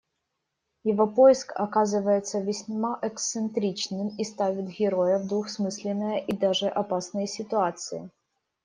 Его поиск оказывается весьма эксцентричным и ставит героя в двусмысленные и даже опасные ситуации.